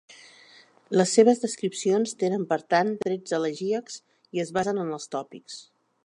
Les seves descripcions tenen per tant trets elegíacs i es basen en els tòpics.